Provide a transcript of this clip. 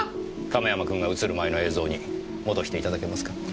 亀山君が映る前の映像に戻して頂けますか？